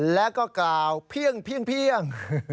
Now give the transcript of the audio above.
แล้วก็กล่าวเพี้ยงเพี้ยงเพี้ยง